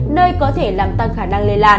nơi có thể làm tăng khả năng lây lan